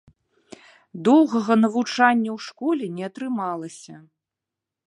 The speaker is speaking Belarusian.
Доўгага навучання ў школе не атрымалася.